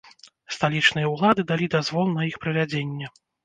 Сталічныя ўлады далі дазвол на іх правядзенне.